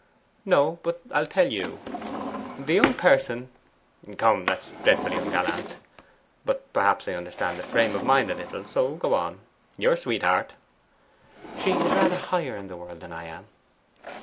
'No. But I'll tell you. The young person ' 'Come, that's dreadfully ungallant. But perhaps I understand the frame of mind a little, so go on. Your sweetheart ' 'She is rather higher in the world than I am.